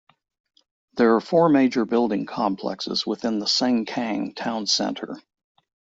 There are four major building complexes within the Sengkang Town Centre.